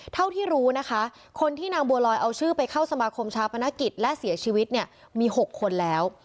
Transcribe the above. เท่าที่รู้นะคะคนที่นางบัวลอยเอาชื่อไปเข้าสมาคมชาปนกิจและเสียชีวิตเนี่ยมี๖คนแล้ว